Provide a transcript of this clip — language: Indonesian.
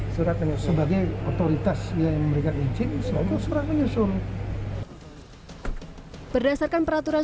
sudah penuh sebagai otoritas yang mereka izin selalu surat penyusul berdasarkan peraturan